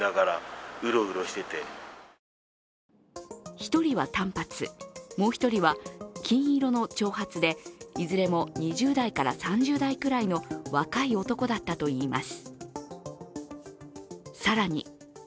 １人は短髪、もう一人は金色の長髪で、いずれも２０代から３０代くらいの若い男だったといいます。